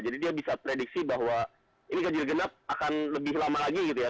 jadi dia bisa prediksi bahwa ini gajil genap akan lebih lama lagi gitu ya